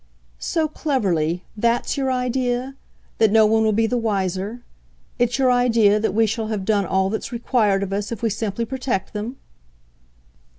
"So cleverly THAT'S your idea? that no one will be the wiser? It's your idea that we shall have done all that's required of us if we simply protect them?"